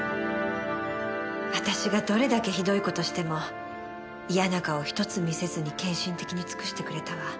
私がどれだけひどい事しても嫌な顔ひとつ見せずに献身的に尽くしてくれたわ。